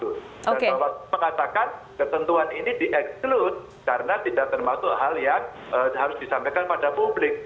dan pak wadud mengatakan ketentuan ini di exclude karena tidak termasuk hal yang harus disampaikan pada publik